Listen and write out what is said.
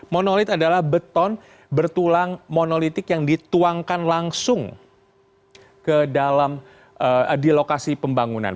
monolit adalah beton bertulang monolitik yang dituangkan langsung ke dalam di lokasi pembangunan